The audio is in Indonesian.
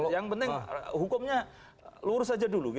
yang penting hukumnya lurus aja dulu